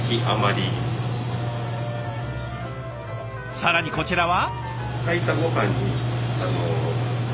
更にこちらは。